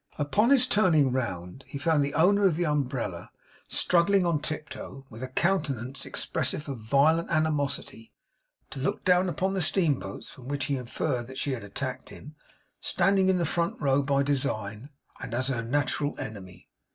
Upon his turning round, he found the owner of the umbrella struggling on tip toe, with a countenance expressive of violent animosity, to look down upon the steam boats; from which he inferred that she had attacked him, standing in the front row, by design, and as her natural enemy.